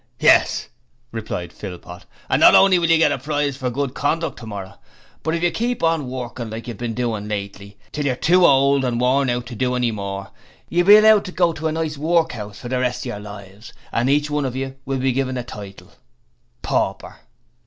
'Yes,' replied Philpot, 'and not honly will you get a prize for good conduck tomorrer, but if you all keep on workin' like we've bin doing lately till you're too hold and wore hout to do any more, you'll be allowed to go to a nice workhouse for the rest of your lives! and each one of you will be given a title "Pauper!"'